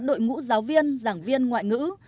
đội ngũ giáo viên giảng viên ngoại ngữ